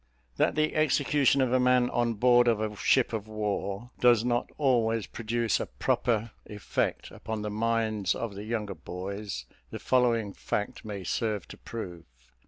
That the execution of a man on board of a ship of war does not always produce a proper effect upon the minds of the younger boys, the following fact may serve to prove.